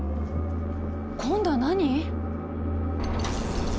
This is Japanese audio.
今度は何？